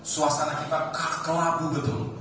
suasana kita kelabu betul